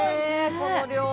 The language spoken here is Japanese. この量！